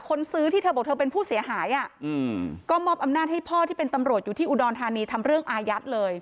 คนซื้อที่เธอบอกเธอเป็นผู้เสียหายก็มอบอำนาจให้พ่อที่เป็นตำรวจอยู่ที่อุดรธานีทำเรื่องอายัดเลย